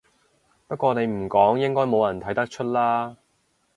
不過你唔講應該冇人睇得出啦